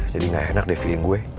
jadi gak enak deh feeling gue